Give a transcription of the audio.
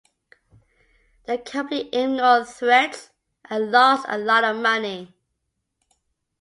The company ignored threats and lost a lot of money.